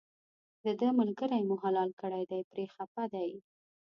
دده ملګری مو حلال کړی دی پرې خپه دی.